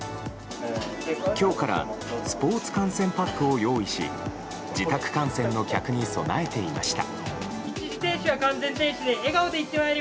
今日からスポーツ観戦パックを用意し自宅観戦の客に備えていました。